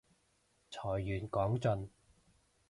財源廣進